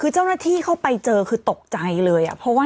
คือเจ้าหน้าที่เข้าไปเจอคือตกใจเลย